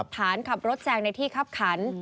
ฐานขับรถแซงในที่คับขัน